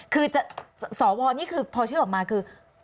คือสวนี่คือพอชื่อออกมาคือ